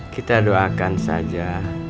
kita doakan saja